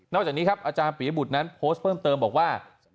จากนี้ครับอาจารย์ปียบุตรนั้นโพสต์เพิ่มเติมบอกว่า